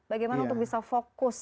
bagaimana untuk bisa fokus